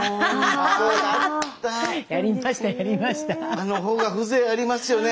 あのほうが風情ありますよね。